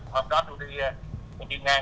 hôm đó tôi đi ngang